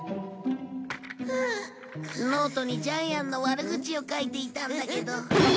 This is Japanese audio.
ノートにジャイアンの悪口を書いていたんだけど。